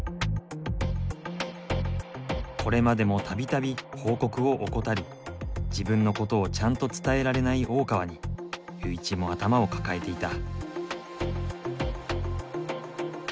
これまでも度々報告を怠り自分のことをちゃんと伝えられない大川にユーイチも頭を抱えていた。